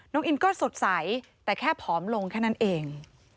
อินก็สดใสแต่แค่ผอมลงแค่นั้นเอง